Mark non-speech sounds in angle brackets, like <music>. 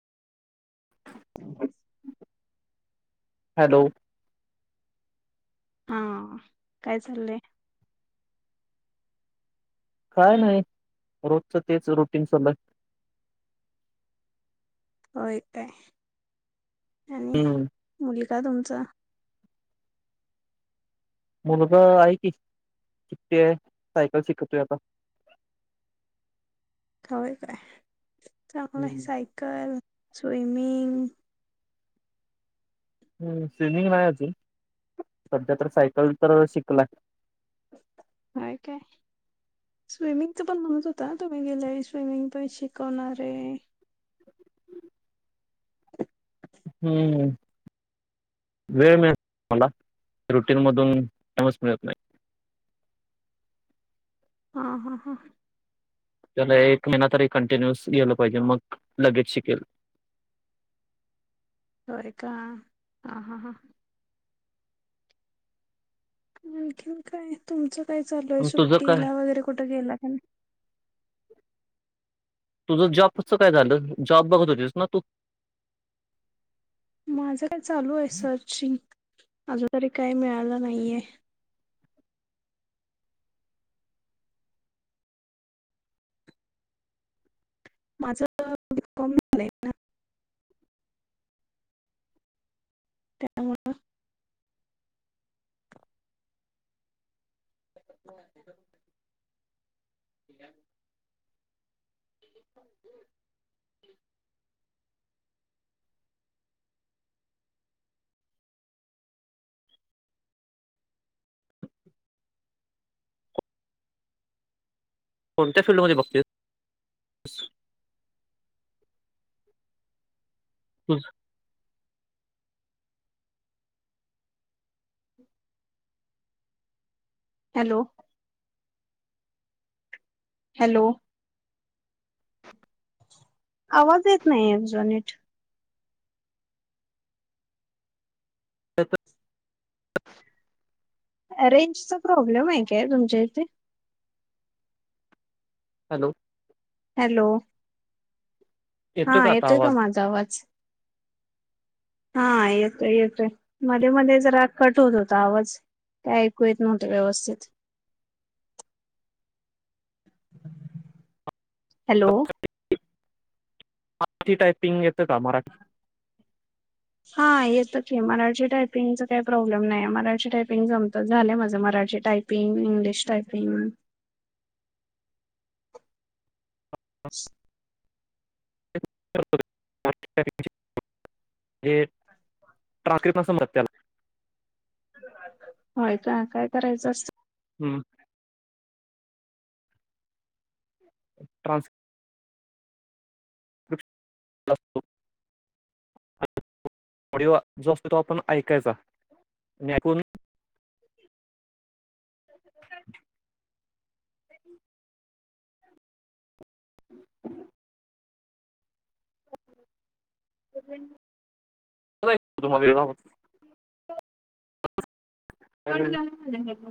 <inaudible> Hello हा काय चाल्लय? काय नाही, रोजच तेच रुटीन <unintelligible> होेय काय आणि हम्म मुली का तुमच मुलगा आहे की सुट्टी आय सायकल शिकतोय आता कवा येताय? चांगलं आय हम्म सायकल स्विमिंग हम् स्विमिंग नाही अजून सध्या तर सायकल तर शिकलाय. हाय काय? स्विमिंगच पण म्हणत होता ना तुम्ही गेल्या वेळी स्विमिंग पण शिकवणारे हम् वेळ मि त नाही मला, रुटीन मधून टाईमच मिळत नाही. हा हा हा त्याला एक महिना तरी कंटिन्युस गेल पाहिजे मग लगेच शिकेल. होय का? हा हा हा आणखीन काय तुमचं? काय चालूय मग तुझं काय सुट्टीला वगैरे कुठं गेला का ना तुझं जॉबच काय झालं, जॉब बघत होतीस ना तू? माझ काय चालू आय सर्चिंग अजू तरी काही मिळालं नाहीये. माझं बीकॉम झालय ना. त्यामुळं <inaudible> कोणत्या फिल्डमध्ये बघते स? <unintelligible> हम् हॅलो हॅलो <inaudible> आवाज येत नाही तुझा नीट. <inaudible> रेंजचा प्रॉब्लेम आहे काय तुमच्या इथे? हॅलो हॅलो हा येतो आता येेतोय का आवाज माझा आवाज? हा येतोय येतोय मध्ये मध्ये जरा कट होत होता आवाज. काय ऐकू येत नव्हत व्यवस्थित. हॅलो मराठी टायपिंग येत का मराठी? हा येतं की मराठी टायपिंगच काही प्रॉब्लेम नाही मराठी टायपिंग जमत झालं माझं मराठी टायपिंग इंग्लिश, टायपिंग. <inaudible> <unintelligible> हे ट्राकत न समत त्याला. होय का काय करायचं असत? हम्म ट्रानस असतो. ऑडिओ जो असतो तो आपण ऐकायचा आणि ऐकून <inaudible> तुम्हा <unintelligible>